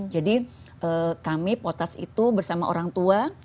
jadi kami potas itu bersama orang tua